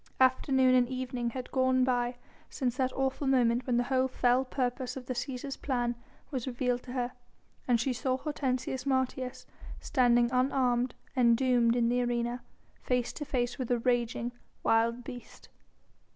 Afternoon and evening had gone by since that awful moment when the whole fell purpose of the Cæsar's plan was revealed to her, and she saw Hortensius Martius standing unarmed and doomed in the arena, face to face with a raging, wild beast.